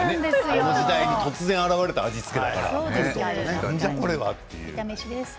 あの時代に突然現れた味付けだから。